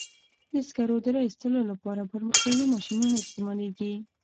د سکرو د را ایستلو لپاره پرمختللي ماشینونه استعمالېږي.